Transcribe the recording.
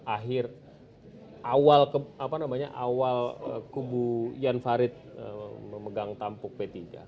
akhir awal apa namanya awal kubu jan farid memegang tampuk p tiga